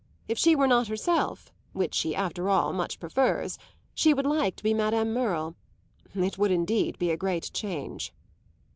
If she were not herself (which she after all much prefers), she would like to be Madame Merle. It would indeed be a great change."